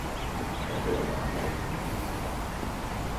Jeg kender mange underlige typer.